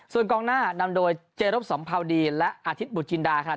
ส่วนกองหน้านำโดยเจรบสัมภาวดีและอาทิตย์บุตจินดาค่ะ